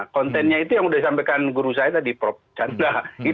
kontennya itu yang sudah disampaikan guru saya tadi prof chandra